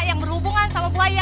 yang berhubungan sama bu aya